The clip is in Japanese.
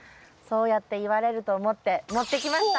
そうやって言われると思って持ってきました。